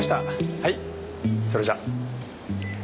はいそれじゃ。